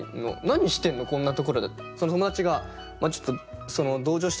何してんのこんなところで」って。